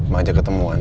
mau ajak ketemuan